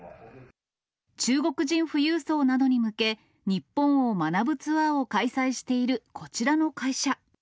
中国人富裕層などに向け、日本を学ぶツアーを開催している、こちらの会社。